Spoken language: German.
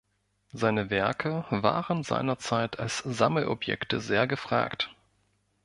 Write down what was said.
Seine Werke waren seinerzeit als Sammelobjekte sehr gefragt.